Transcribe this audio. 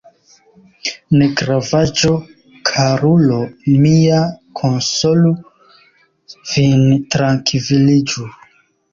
Negravaĵo, karulo mia, konsolu vin, trankviliĝu.